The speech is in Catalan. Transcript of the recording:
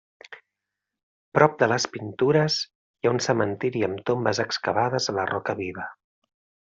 Prop de les pintures hi ha un cementiri amb tombes excavades a la roca viva.